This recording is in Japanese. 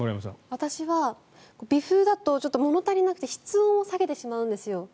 私は微風だと物足りなくて室温を下げてしまうんですよ。